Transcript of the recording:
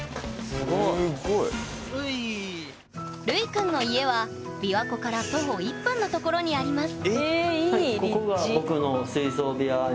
すごい！るいくんの家はびわ湖から徒歩１分のところにありますえいい立地！